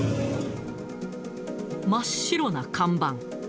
真っ白な看板。